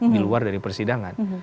di luar dari persidangan